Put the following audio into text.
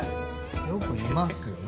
よくいますよね。